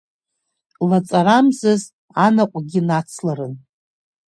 Лаҵарамзаз анаҟәгьы нацларын.